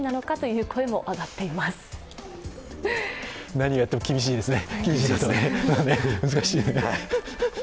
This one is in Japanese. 何をやっても厳しいですね。